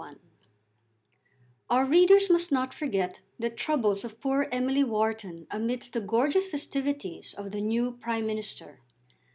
I Our readers must not forget the troubles of poor Emily Wharton amidst the gorgeous festivities of the new Prime Minister.